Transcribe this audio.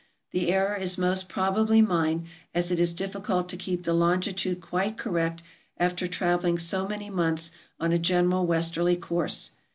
The error is most probably mine, as it is difficult to keep the longitude quite correct after traveling so many months on a general west erly course.